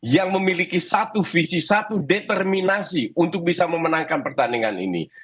yang memiliki satu visi satu determinasi untuk bisa memenangkan pertandingan ini